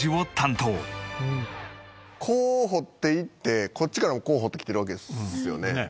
こう掘っていってこっちからもこう掘ってきてるわけですよね？